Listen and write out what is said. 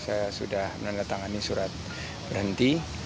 saya sudah menandatangani surat berhenti